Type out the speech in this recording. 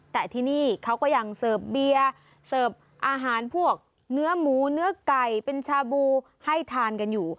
แต่ที่นี่เขาก็ยังเสิร์ฟเบียร์เสิร์ฟอาหารพวกเนื้อหมูเนื้อไก่เป็นชาบูให้ทานกันอยู่